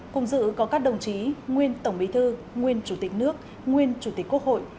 cùng dự có các đồng chí nguyên tổng bí thư nguyên chủ tịch nước nguyên chủ tịch quốc hội